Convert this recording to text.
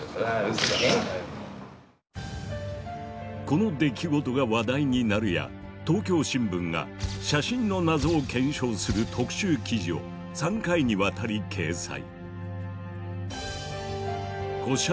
この出来事が話題になるや東京新聞が写真の謎を検証する特集記事を３回にわたり掲載。